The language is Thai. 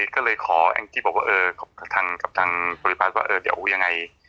ก็เลยขอแอ้งที่บอกว่าเออกับทางบริษัทบอกว่าเออเดี๋ยวยังไง